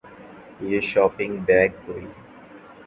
یہ shopping bag کوئی